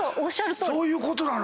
そういうことなのか。